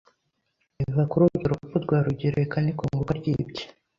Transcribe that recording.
iva kuri urwo rupfu rwa Rugereka n'ikongoka ry'ibye